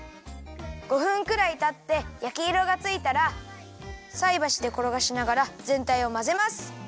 ５分くらいたってやきいろがついたらさいばしでころがしながらぜんたいをまぜます。